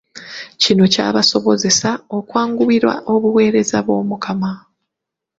Kino kyakubasobozesa okwanguyirwa obuweereza bw’Omukama.